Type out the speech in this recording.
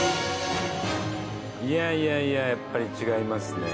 いやいやいややっぱり違いますね。